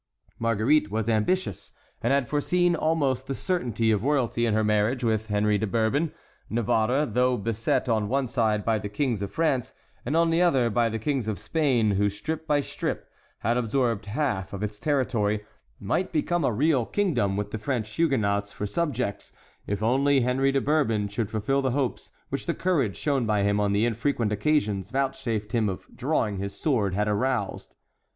Marguerite was ambitious, and had foreseen almost the certainty of royalty in her marriage with Henry de Bourbon. Navarre, though beset on one side by the kings of France and on the other by the kings of Spain, who strip by strip had absorbed half of its territory, might become a real kingdom with the French Huguenots for subjects, if only Henry de Bourbon should fulfil the hopes which the courage shown by him on the infrequent occasions vouchsafed him of drawing his sword had aroused.